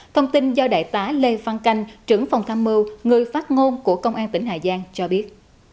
thông tin do đại tá lê phan canh trưởng phòng tham mưu người phát ngôn của công an tỉnh hà giang cho biết